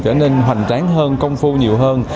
trở nên hoành tráng hơn công phu nhiều hơn